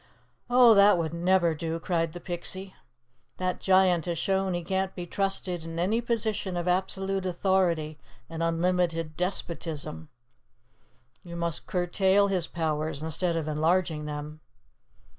"Oh, that would never do," cried the Pixie. "That Giant has shown he can't be trusted in any position of absolute authority and unlimited despotism. You must curtail his powers instead of enlarging them."